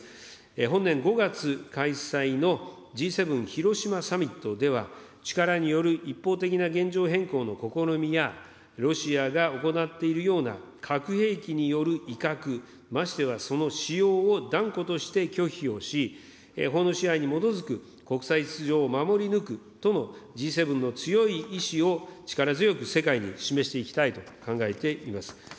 本年５月開催のＧ７広島サミットでは、力による一方的な現状変更の試みや、ロシアが行っているような、核兵器による威嚇、ましてやその使用を断固として拒否をし、法の支配に基づく国際秩序を守り抜くとのＧ７の強い意志を力強く世界に示していきたいと考えています。